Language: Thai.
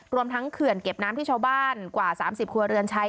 รวมทั้งเขื่อนเก็บน้ำที่ชาวบ้านกว่า๓๐ครัวเรือนใช้